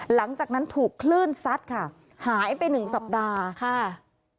หลังจากนั้นถูกคลื่นซัดค่ะหายไป๑สัปดาห์